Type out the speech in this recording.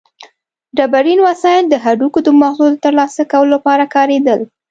ډبرین وسایل د هډوکو د مغزو د ترلاسه کولو لپاره کارېدل.